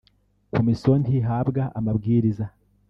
Komisiyo ntihabwa amabwiriza